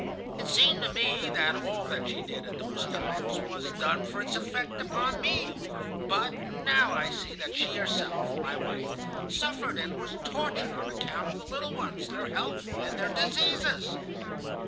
It seemed to me that all that she did at those times was done for its effect upon me, but now I see that she herself, my wife, suffered and was tortured on account of the little ones, their health, and their diseases.